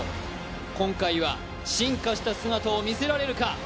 今回は進化した姿を見せられるか。